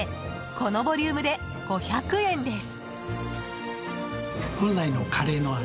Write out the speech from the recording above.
このボリュームで５００円です。